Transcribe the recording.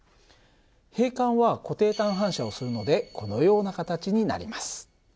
開管は固定端反射をするのでこのような形になります。